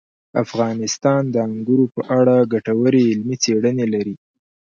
افغانستان د انګورو په اړه ګټورې علمي څېړنې لري.